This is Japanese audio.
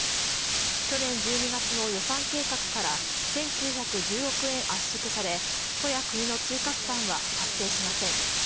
去年１２月の予算計画から１９１０億円圧縮され、都や国の追加負担は発生しません。